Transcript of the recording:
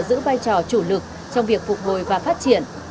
giữ vai trò chủ lực trong việc phục hồi và phát triển